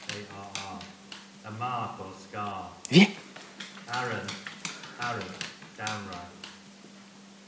an Arr, a mark or scarr. Arren, arrant, downright.